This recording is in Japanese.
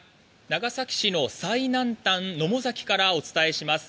長崎市の最南端野母崎からお伝えします。